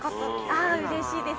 ◆ああ、うれしいです。